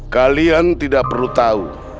kalian tidak perlu tahu